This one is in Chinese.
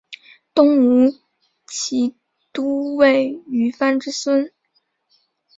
东吴骑都尉虞翻之孙。